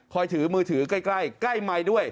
ถือมือถือใกล้ใกล้ไมค์ด้วย